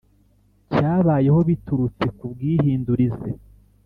cyabayeho biturutse ku bwihindurize